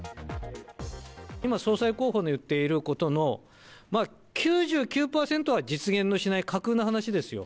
今、総裁候補の言っていることのまあ９９％は実現のしない架空の話ですよ。